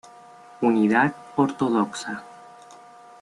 Unidad Ortodoxa.